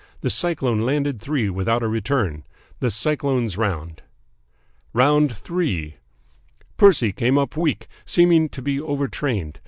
The Cyclone landed three without a return. The Cyclone's round. "ROUND THREE "Percy came up weak, seeming to be overtrained.